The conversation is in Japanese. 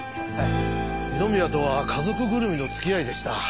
二宮とは家族ぐるみの付き合いでした。